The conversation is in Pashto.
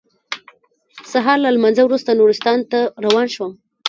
سهار له لمانځه وروسته نورستان ته روان شوم.